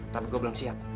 tapi gue belum siap